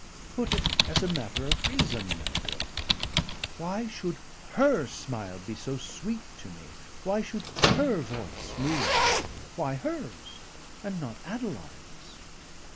Put it as a matter of reason, Melville. Why should her smile be so sweet to me, why should her voice move me! Why her's and not Adeline's?